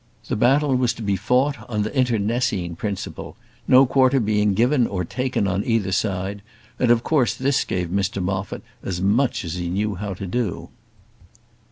The battle was to be fought on the internecine principle, no quarter being given or taken on either side; and of course this gave Mr Moffat as much as he knew how to do.